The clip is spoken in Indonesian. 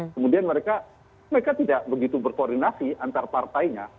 kemudian mereka tidak begitu berkoordinasi antar partainya